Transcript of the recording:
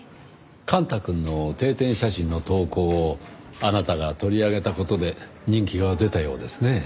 幹太くんの定点写真の投稿をあなたが取り上げた事で人気が出たようですねぇ。